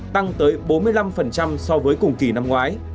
tăng tới bốn mươi năm so với cùng kỳ năm ngoái